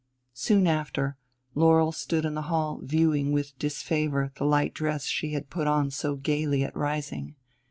Soon after, Laurel stood in the hall viewing with disfavor the light dress she had put on so gayly at rising.